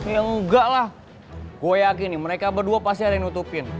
ya enggak lah gue yakin nih mereka berdua pasti ada yang nutupin